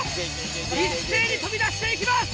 一斉に飛び出していきます！